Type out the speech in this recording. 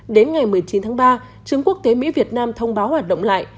đến ngày một mươi chín tháng ba trường quốc tế mỹ việt nam thông báo hoạt động lại